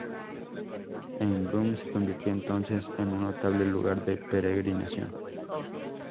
Embrun se convirtió entonces en un notable lugar de peregrinación.